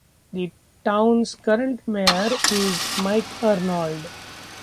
The town's current mayor is Mike Arnold.